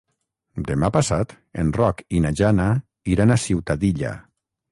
Demà passat en Roc i na Jana iran a Ciutadilla.